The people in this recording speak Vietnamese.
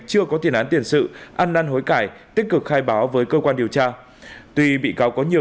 chưa có tiền án tiền sự ăn năn hối cải tích cực khai báo với cơ quan điều tra tuy bị cáo có nhiều